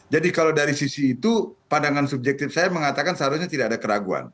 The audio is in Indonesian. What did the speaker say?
jadi kalau dari sisi itu pandangan subjektif saya mengatakan seharusnya tidak ada keraguan